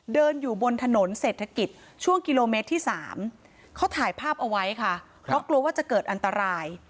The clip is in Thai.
เดินอยู่บนถนนเศรษฐกิจช่วงกิโลเมตรที่๓เขาถ่ายภาพเอาไว้ค่ะเพราะกลัวว่าจะเกิดอันตราย